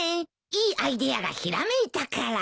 いいアイデアがひらめいたから。